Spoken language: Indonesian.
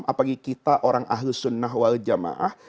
apalagi kita orang ahlus sunnah wal jamaah